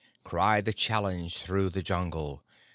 Cry the challenge through the Jungle!